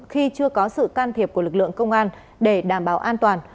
khi chưa có sự can thiệp của lực lượng công an để đảm bảo an toàn